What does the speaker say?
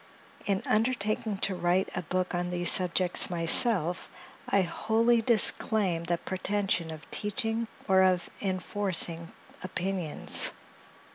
In undertaking to write a book on these subjects myself, I wholly disclaim the pretension of teaching or of enforcing opinions.